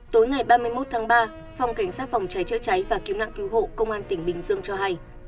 tối ngày ba mươi một tháng ba phòng cảnh sát phòng trái chữa trái và kiếm nạn cứu hộ công an tỉnh bình dương cho hay